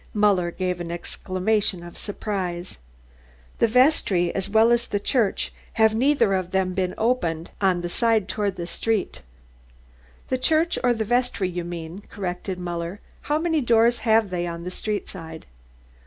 Muller gave an exclamation of surprise. "The vestry as well as the church have neither of them been opened on the side toward the street." "The church or the vestry, you mean," corrected Muller. "How many doors have they on the street side?"